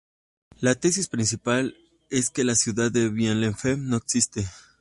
La tesis principal es que la ciudad de Bielefeld no existe.